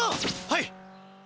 はい！